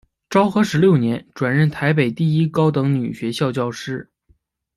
昭和十六年转任台北第一高等女学校教师。